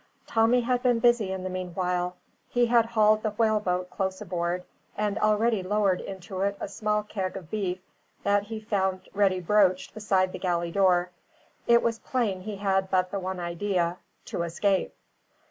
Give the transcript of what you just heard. Tommy had been busy in the meanwhile; he had hauled the whaleboat close aboard, and already lowered into it a small keg of beef that he found ready broached beside the galley door; it was plain he had but the one idea to escape.